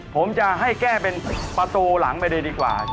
ผมจะให้แก้เป็นประตูหลังไปเลยดีกว่า